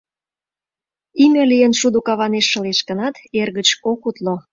Име лийын, шудо каванеш шылеш гынат, эргыч ок утло.